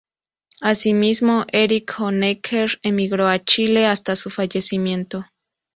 Asimismo, Erich Honecker migró a Chile hasta su fallecimiento.